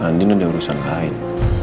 andien ada urusan lain